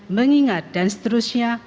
mengingat dan seterusnya